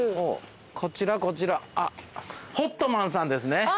こちらこちらホットマンさんですね。